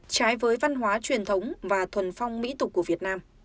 trái với văn hóa truyền thống và thuần phong mỹ tục của việt nam